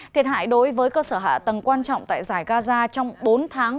thiệt hại đối với cơ sở hạ tầng quan trọng tại giải gaza trong bốn tháng